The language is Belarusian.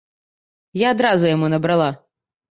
Я адразу яму набрала.